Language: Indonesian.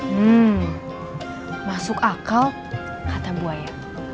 hmm masuk akal hatam buaya